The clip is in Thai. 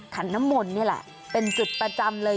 ขันน้ำมนต์นี่แหละเป็นจุดประจำเลย